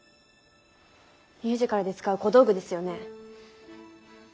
ミュージカルで使う小道具ですよね？